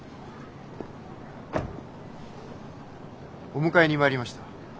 お迎えに参りました。